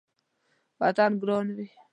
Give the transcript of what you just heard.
وطن ګران وي